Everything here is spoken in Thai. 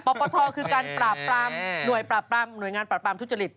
ปรปฐคือการปรากฏคุยน้วยงานปรับปรามทุจจฤทธิ์